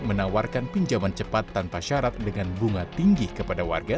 menawarkan pinjaman cepat tanpa syarat dengan bunga tinggi kepada warga